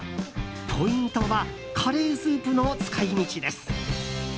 ポイントはカレースープの使い道です。